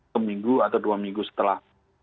seminggu atau dua minggu setelah